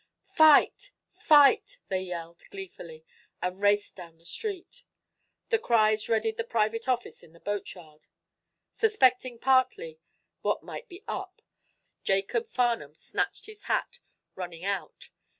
"Fight! fight!" they yelled, gleefully, and raced down the street. The cries readied the private office in the boatyard. Suspecting, partly, what might be up, Jacob Farnum snatched his hat, running out.